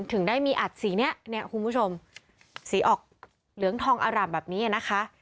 ถึงได้มีอัดสีนี้เนี่ยคุณผู้ชมสีออกเหลืองทองอร่ำแบบนี้นะคะ